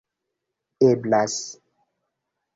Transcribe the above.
eblas